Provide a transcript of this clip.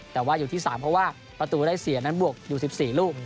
แต่ว่าอยู่ที่๓เพราะว่าประตูได้เสียนั้นบวกอยู่๑๔ลูก